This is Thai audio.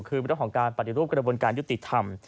คือบิราบของการปฏิบูรณ์การบนการยุติธรรม